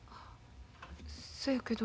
そやけど。